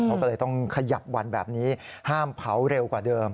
เขาก็เลยต้องขยับวันแบบนี้ห้ามเผาเร็วกว่าเดิม